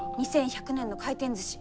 ２１００年の回転ずし。